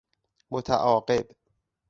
متعاقب